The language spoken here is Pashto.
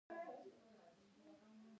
هند او افغانستان کلتوري اړیکې لري.